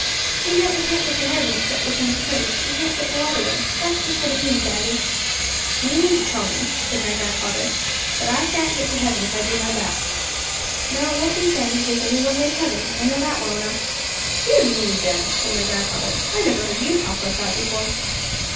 'He meant we can't get to heaven except we come to Christ; we can't get no other way. That's just what it means, Sandy!' 'Do you mean to tell me,' said my grandfather, 'that I shan't get to heaven if I do my best?' 'No, it won't do, Sandy; there's only one way to heaven; I know that well enough.' 'Dear me, Jem!' said my grandfather, 'I never heard you talk like that before.'